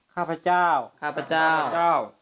ข้าพเจ้าข้าพเจ้า